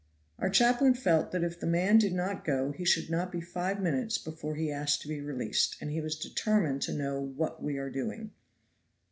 Our chaplain felt that if the man did not go he should not be five minutes before he asked to be released, and he was determined to know "what we are doing."